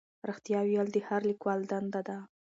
رښتیا ویل د هر لیکوال دنده ده.